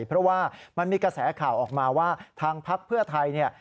เพราะว่ามันมีกระแสข่าวออกมาว่าทางพักเพื่อไทยเนี่ย